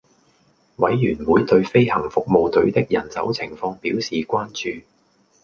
委員會對飛行服務隊的人手情況表示關注